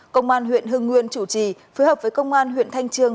công an huyện hưng nguyên chủ trì phối hợp với công an huyện thanh trương